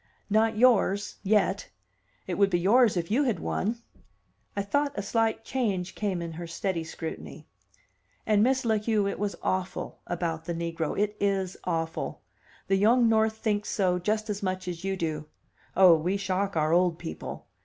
"Not yours yet! It would be yours if you had won." I thought a slight change came in her steady scrutiny. "And, Miss La Heu, it was awful about the negro. It is awful. The young North thinks so just as much as you do. Oh, we shock our old people!